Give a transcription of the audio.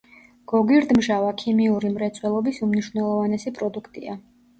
გოგირდმჟავა ქიმიური მრეწველობის უმნიშვნელოვანესი პროდუქტია.